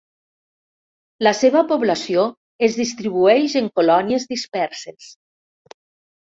La seva població es distribueix en colònies disperses.